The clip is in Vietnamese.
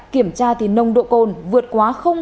kiểm tra thì nông độ cồn vượt quá